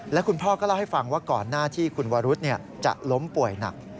และคุณพ่อก็เล่าให้ฟังว่าก่อนหน้าที่คุณวรุษจะล้มป่วยหนัก